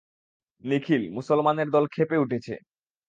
নিখিল, মুসলমানের দল ক্ষেপে উঠেছে।